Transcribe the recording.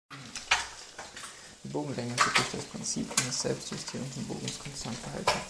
Die Bogenlänge wird durch das Prinzip eines selbstjustierenden Bogens konstant gehalten.